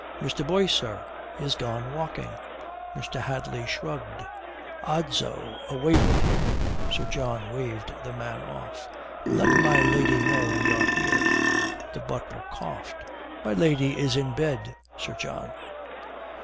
"Mr. Boyce, sir, is gone walking." Mr. Hadley shrugged. "Odso, away with you," Sir John waved the man off. "Let my lady know we are here." The butler coughed. "My lady is in bed, Sir John."